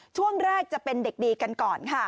ช่วงแรกจะเป็นเด็กดีกันก่อนค่ะ